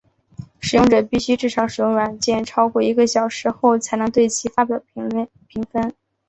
使用者必须至少使用软体超过一个小时后才能对其发表评分。